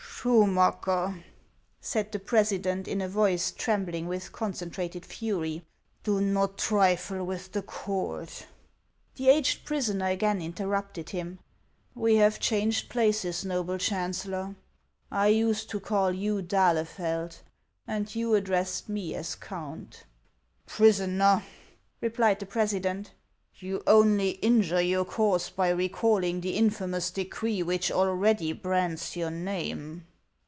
"Schumacker," said the president, in a voice trem bling with concentrated fury, "do not trifle with the court." The aged prisoner again interrupted him: "We have changed places, noble Chancellor ; I used to call you 'd'Ahlefeld,' and you addressed me as 'Count.'" 436 HANS OF ICELAND. " Prisoner," replied the president, "you only injure your cause by recalling the infamous decree which already brands your name."